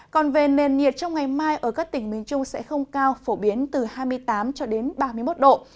còn về nền nhiệt trong ngày mai ở các tỉnh miền trung sẽ không cao phổ biến từ hai mươi tám cho đến ba mươi một độ